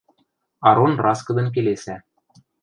– Арон раскыдын келесӓ.